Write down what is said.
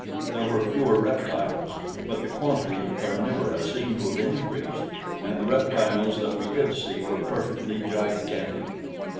There were fewer reptiles; but the quantity of carnivora seemed to have increased, and the reptiles that we did see were perfectly gigantic.